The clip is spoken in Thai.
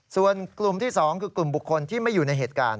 ส่วนกลุ่มที่๒คือกลุ่มบุคคลที่ไม่อยู่ในเหตุการณ์